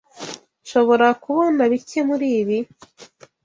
Nshobora kubona bike muribi?